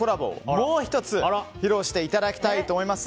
もう１つ披露していただきたいと思います。